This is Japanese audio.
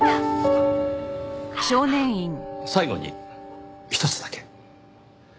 最後にひとつだけ。